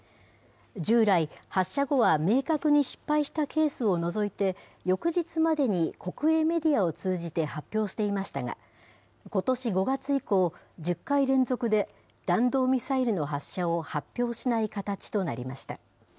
従来、発射後は明確に失敗したケースを除いて、翌日までに国営メディアを通じて発表していましたが、ことし５月以降、１０回連続で弾道ミサイルの発射を発表しない形となりました。